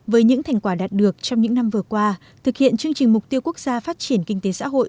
với những thành quả đạt được trong những năm vừa qua thực hiện chương trình mục tiêu quốc gia phát triển kinh tế xã hội